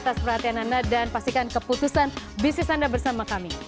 terima kasih atas keputusan bisnis anda bersama kami